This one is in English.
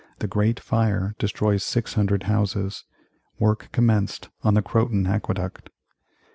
The "Great Fire" destroys six hundred houses Work commenced on the Croton Aqueduct 1842.